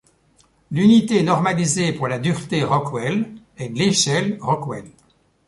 L'unité normalisée pour la dureté Rockwell est l'échelle Rockwell.